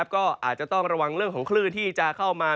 ก็อาจจะต้องระวังเรื่องของคลื่นที่จะเข้ามา